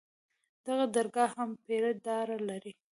دغه درګاه هم پيره دار لري.